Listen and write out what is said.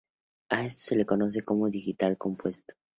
A esto se le conoce como digital compuesto.